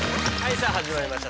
さあ始まりました